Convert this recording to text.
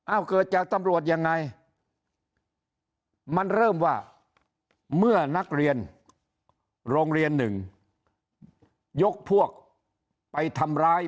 เกิดจากตำรวจยังไงมันเริ่มว่าเมื่อนักเรียนโรงเรียนหนึ่งยกพวกไปทำร้าย